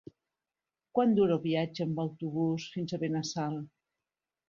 Quant dura el viatge en autobús fins a Benassal?